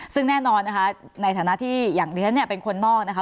ซึ่งแน่นอนนะคะในฐานะที่อย่างที่ฉันเนี่ยเป็นคนนอกนะคะ